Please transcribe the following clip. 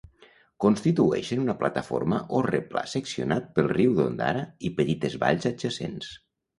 Constitueixen una plataforma o replà seccionat pel riu d'Ondara i petites valls adjacents.